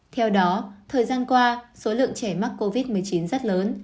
theo đó thời gian qua số lượng trẻ mắc covid một mươi chín rất lớn